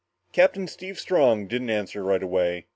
Captain Steve Strong didn't answer right away.